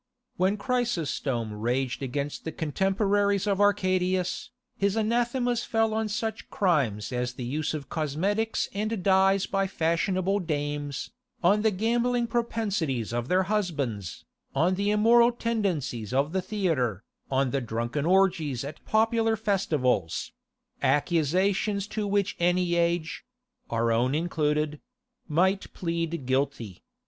When Chrysostom raged against the contemporaries of Arcadius, his anathemas fell on such crimes as the use of cosmetics and dyes by fashionable dames, on the gambling propensities of their husbands, on the immoral tendencies of the theatre, on the drunken orgies at popular festivals—accusations to which any age—our own included—might plead guilty.